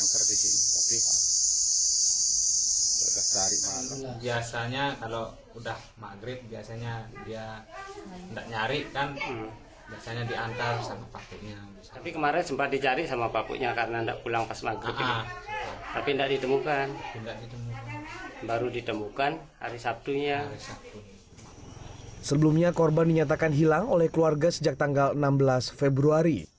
sebelumnya korban dinyatakan hilang oleh keluarga sejak tanggal enam belas februari